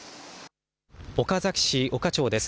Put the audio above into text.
岡崎市岡町です。